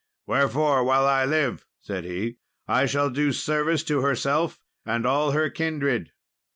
"Wherefore while I live," said he, "I shall do service to herself and all her kindred."